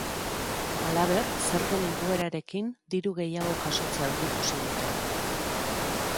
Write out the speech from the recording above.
Halaber, zergen igoerarekin diru gehiago jasotzea aurreikusi dute.